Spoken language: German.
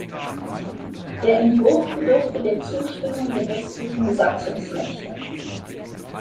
Der Entwurf bedurfte der Zustimmung der westlichen Besatzungsmächte.